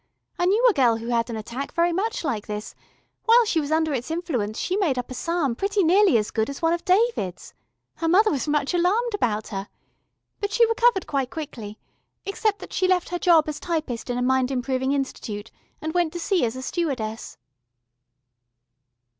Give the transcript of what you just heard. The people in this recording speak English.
I knew a girl who had an attack very much like this; while she was under its influence she made up a psalm pretty nearly as good as one of David's. Her mother was much alarmed about her. But she recovered quite quickly, except that she left her job as typist in a mind improving institute and went to sea as a stewardess."